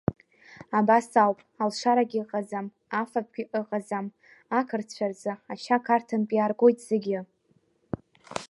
Абас ауп, алашарагьы ыҟаӡам, афатәгьы ыҟаӡам, ақырҭцәа рзы ача Қарҭынтә иааргоит зегьы.